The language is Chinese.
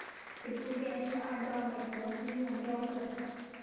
此部件是按照美国军用标准。